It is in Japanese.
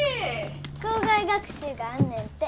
校外学習があんねんて。